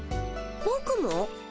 ぼくも？